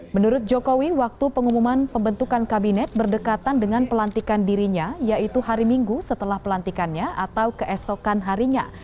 menurut jokowi waktu pengumuman pembentukan kabinet berdekatan dengan pelantikan dirinya yaitu hari minggu setelah pelantikannya atau keesokan harinya